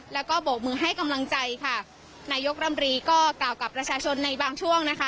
แล้วก็โบกมือให้กำลังใจค่ะนายกรำรีก็กล่าวกับประชาชนในบางช่วงนะคะ